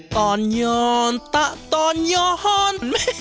ตอนย้อนตะตอนย้อน